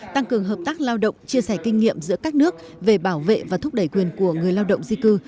tăng cường hợp tác lao động chia sẻ kinh nghiệm giữa các nước về bảo vệ và thúc đẩy quyền của người lao động di cư